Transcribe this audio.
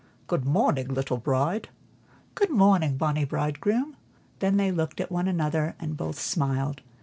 "Good morning, little bride." "Good morning, bonny bridegroom." Then they looked at one another, and both smiled.